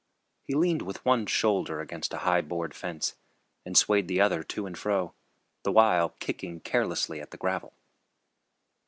He leaned with one shoulder against a high board fence and swayed the other to and fro, the while kicking carelessly at the gravel.